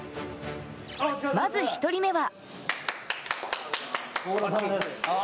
まず１人目は。